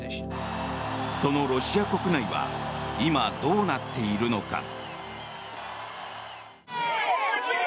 そのロシア国内は今、どうなっているのか。